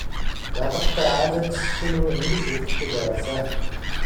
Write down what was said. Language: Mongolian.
Ядахдаа Алекс түүнрүү ингэж ширтэхгүй байгаасай.